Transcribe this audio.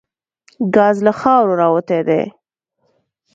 ګاز له خاورو راوتي دي.